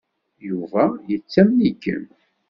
Yuba yettamen-ikem.